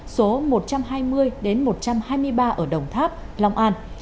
số một trăm hai mươi một trăm hai mươi ba ở đồng tháp long an